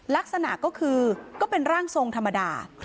ลักษณะก็คือก็เป็นร่างทรงธรรมดา